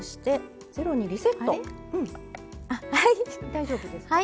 大丈夫ですか？